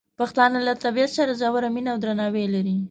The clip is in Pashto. پښتانه له طبیعت سره ژوره مینه او درناوی لري.